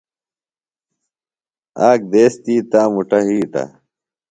آک دیس تی تا مُٹہ ھِیتہ۔